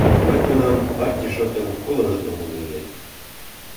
Мый тунам партий шотым колынат омыл ыле.